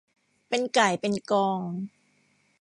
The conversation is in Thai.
เป็นก่ายเป็นกอง